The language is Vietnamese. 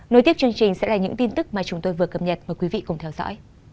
nối tiếp chương trình sẽ là những tin tức mà chúng tôi vừa cập nhật mời quý vị cùng theo dõi